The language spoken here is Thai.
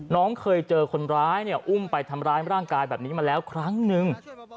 น้องเคยเจอคนร้ายเนี่ยอุ้มไปทำร้ายร่างกายแบบนี้มาแล้วครั้งนึง